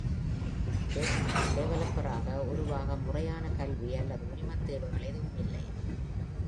Web டெவலப்பராக உருவாக முறையான கல்வி அல்லது உரிமத் தேவைகள் எதுவும் இல்லை.